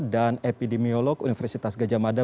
dan epidemiolog universitas gajah mada